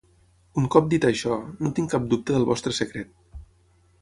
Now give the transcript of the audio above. Un cop dit això, no tinc cap dubte del vostre secret.